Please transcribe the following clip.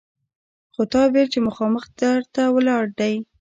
خو تا ویل چې مخامخ در ته ولاړ دی!